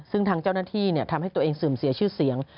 ซึ่งทางเจ้าหน้าที่ทำให้ตัวเองเสื่อมเสียชื่อเสียง